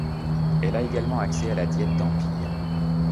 Elle a également accès à la diète d'empire.